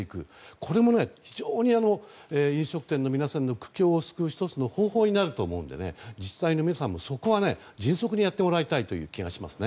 これも非常に飲食店の皆さんの苦境を救う１つの方法になると思うので自治体の皆さんもそこは迅速にやってもらいたいという気がしますね。